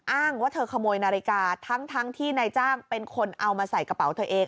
อ้างว่าเธอขโมยนาฬิกาทั้งที่นายจ้างเป็นคนเอามาใส่กระเป๋าเธอเอง